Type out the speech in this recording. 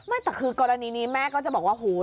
ไม่แต่คือกรณีนี้แม่ก็จะบอกว่าโห